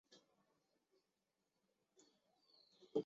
校长开济携学校田洲产物契券赴后方后不知所踪。